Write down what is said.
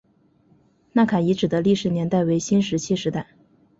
纳卡遗址的历史年代为新石器时代。